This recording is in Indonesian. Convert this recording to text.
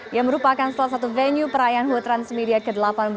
yang merupakan salah satu venue perayaan hut transmedia ke delapan belas